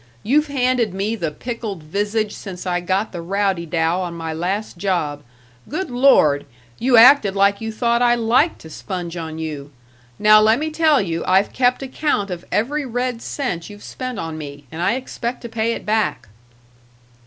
You've handed me the pickled visage since I got the rowdy dow on my last job good Lord! you acted like you thought I liked to sponge on you. Now let me tell you I've kept account of every red cent you've spent on me, and I expect to pay it back."